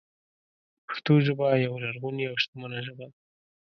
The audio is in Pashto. پښتو ژبه یوه لرغونې او شتمنه ژبه ده.